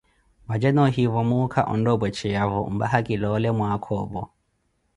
Vaje noohivo muuka ontta opwecheyavo, mpakha ki loole mwaaka opu.